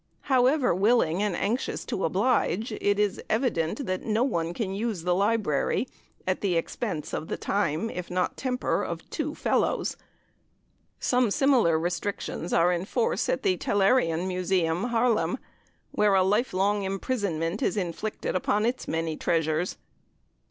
However willing and anxious to oblige, it is evident that no one can use the library at the expense of the time, if not temper, of two Fellows. Some similar restrictions are in force at the Teylerian Museum, Haarlem, where a lifelong imprisonment is inflicted upon its many treasures.